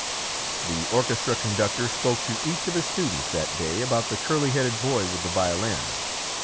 The orchestra conductor spoke to each of his students that day about the curly headed boy with the violin.